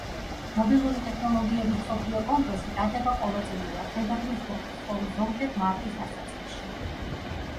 მობილური ტექნოლოგიების მსოფლიო კონგრესი ტარდება ყოველწლიურად, თებერვლის ბოლოს, ხოლო ზოგჯერ მარტის დასაწყისში.